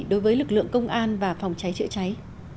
đối với lực lượng công an và phòng cháy chữa cháy